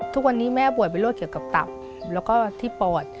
ทุกวันนี้แม่ป่วยเป็นโรคเกี่ยวกับตับแล้วก็ที่ปอด